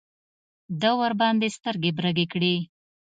ده ورباندې سترګې برګې کړې.